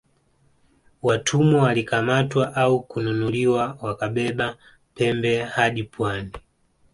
Watumwa walikamatwa au kununuliwa wakabeba pembe hadi pwani